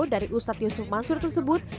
dari ustadz yusuf mansur tersebut